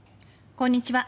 こんにちは。